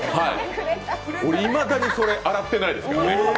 いまだにそれ、洗ってないですからね。